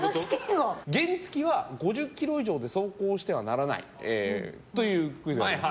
原付きは５０キロ以上で走行してはならないというクイズがあります。